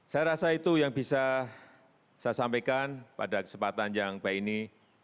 saya rasa itu yang bisa saya sampaikan pada kesempatan yang baik ini